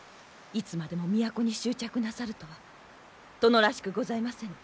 いつまでも都に執着なさるとは殿らしくございませぬ。